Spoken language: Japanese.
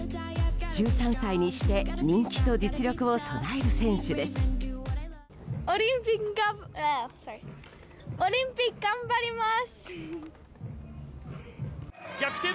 １３歳にして人気と実力を備える選手です。